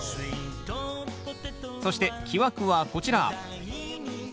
そして木枠はこちら。